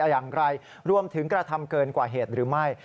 อย่างไรรวมถึงกระทำเกินกว่าเหตุหรือไม่